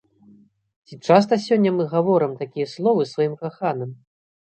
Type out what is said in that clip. Ці часта сёння мы гаворым такія словы сваім каханым?